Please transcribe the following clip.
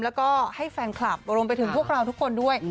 แล้วก็ให้แฟนคลับรวมไปถึงพวกเราทุกคนด้วย